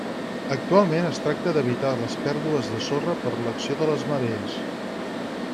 Actualment es tracta d'evitar les pèrdues de sorra per l'acció de les marees.